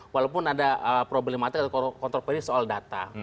walaupun ada problematik atau kontroversi soal data